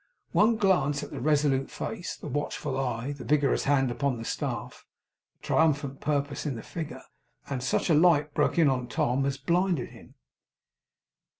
One glance at the resolute face, the watchful eye, the vigorous hand upon the staff, the triumphant purpose in the figure, and such a light broke in on Tom as blinded him.